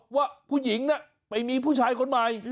ว่าผู้หญิงน่ะไปมีผู้ชายคนใหม่